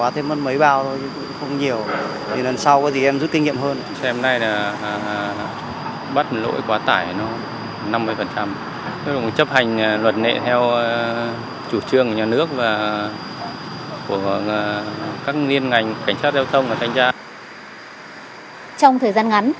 trong thời gian ngắn